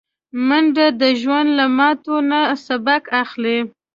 منډه د ژوند له ماتو نه سبق اخلي